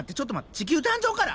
地球誕生から？